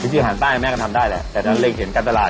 วิธีอาหารใต้แม่ก็ทำได้แหละแต่ตอนนั้นเรียกเห็นการตลาด